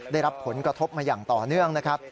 ได้รับผลกระทบมาอย่างต่อเนื่องนะครับ